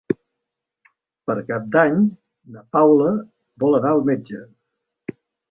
Per Cap d'Any na Paula vol anar al metge.